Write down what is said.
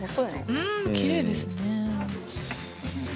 うんきれいですね。